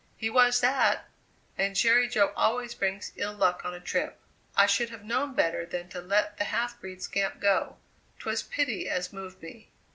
"He was that! And Jerry Jo always brings ill luck on a trip. I should have known better than to let the half breed scamp go. 'Twas pity as moved me.